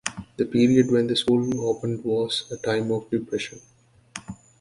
The period when the school opened was a time of depression.